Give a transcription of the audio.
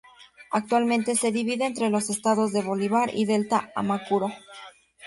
Actualmente se divide entre los Estados de Bolívar y Delta Amacuro.